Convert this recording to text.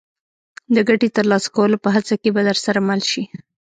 د ګټې ترلاسه کولو په هڅه کې به درسره مل شي.